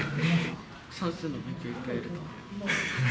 算数の勉強をいっぱいやると。